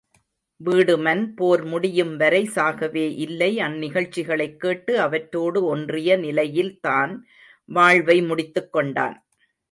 வீடுமன் போர் முடியும்வரை சாகவே இல்லை அந்நிகழ்ச்சிகளைக் கேட்டு அவற்றோடு ஒன்றிய நிலையில் தன் வாழ்வை முடித்துக் கொண்டான்.